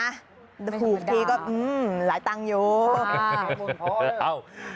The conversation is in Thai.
หูพีก็หลายตังค์อยู่